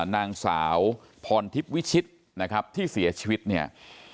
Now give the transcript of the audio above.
นางสาวพรทิพย์วิชิตนะครับที่เสียชีวิตเนี่ย